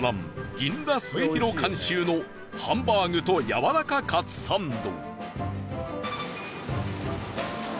銀座スエヒロ監修のハンバーグとやわらかカツサンド